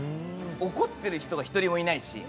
怒ってる人が１人もいないし。